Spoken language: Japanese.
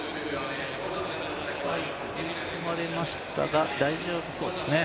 最後、追い込まれましたが大丈夫そうですね。